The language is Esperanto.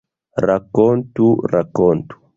Rakontu, rakontu!